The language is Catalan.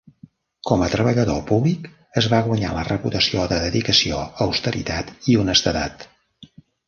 Com a treballador públic, es va guanyar la reputació de dedicació, austeritat i honestedat.